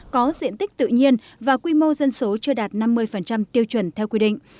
có diện tích tự nhiên và quy mô dân số chưa đạt năm mươi tiêu chuẩn theo quy định